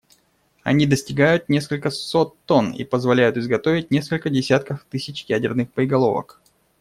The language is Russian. Они достигают несколько сот тонн и позволяют изготовить несколько десятков тысяч ядерных боеголовок.